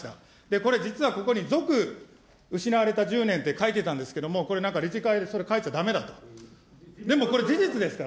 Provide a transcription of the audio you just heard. これ、実はここに続失われた１０年って書いてたんですけれども、これなんか理事会でそれ、書いちゃだめだと、でもこれ、事実ですから。